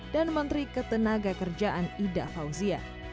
dan menteri ketenagakerjaan ida fauzia